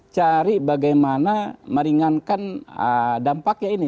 cari bagaimana meringankan dampaknya ini